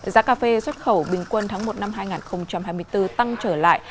giá cà phê xuất khẩu bình quân tháng một năm hai nghìn hai mươi bốn tăng trở lại